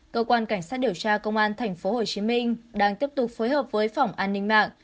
cơ quan cảnh sát điều tra công an tp hcm đang tiếp tục phối hợp với phòng an ninh mạng